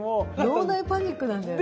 脳内パニックなんだよね。